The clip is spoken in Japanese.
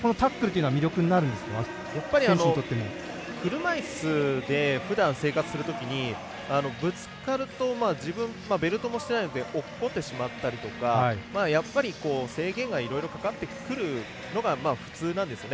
車いすでふだん生活するときにぶつかると自分、ベルトもしていないので落っこちてしまったりとか制限がいろいろかかってくるのが普通なんですよね。